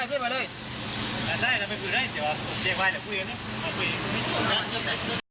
สวัสดีครับ